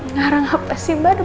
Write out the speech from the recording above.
ngarang apa sih mbak